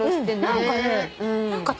何かね。